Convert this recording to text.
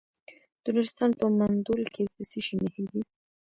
د نورستان په مندول کې د څه شي نښې دي؟